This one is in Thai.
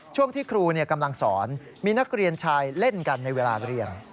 ช่วงที่ครูกำลังสอนมีนักเรียนชายเล่นกันในเวลาเรียน